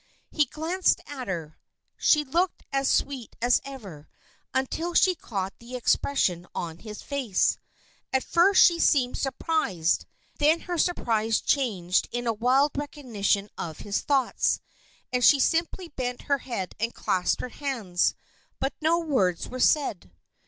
He glanced at her. She looked as sweet as ever, until she caught the expression on his face. At first she seemed surprised, then her surprise changed in a wild recognition of his thoughts, and she simply bent her head and clasped her hands, but no words were said.